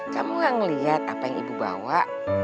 kamu gak ngeliat apa yang ibu bawa